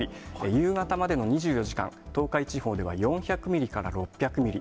夕方までの２４時間、東海地方では４００ミリから６００ミリ、